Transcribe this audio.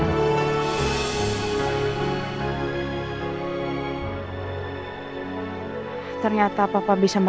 yang penting enaknya cuma di situ